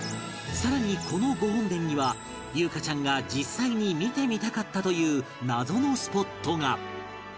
さらにこの御本殿には裕加ちゃんが実際に見てみたかったという謎のスポットが